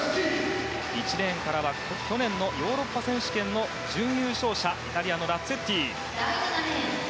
１レーンは去年のヨーロッパ選手権の準優勝者イタリアのラッツェッティ。